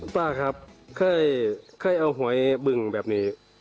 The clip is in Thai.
ป้าครับเคยเอาหวยบึงแบบนี้